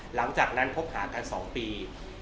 หลังจากนั้นคบหากัน๒ปี